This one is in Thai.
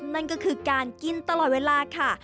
นั่นก็คือการกินตลอดเวลาค่ะ